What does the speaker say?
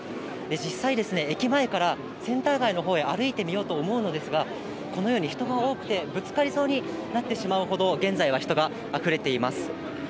実際、駅前からセンター街のほうへ歩いてみようと思うのですが、このように人が多くて、ぶつかりそうになってしまうほど、現在は人があふれています。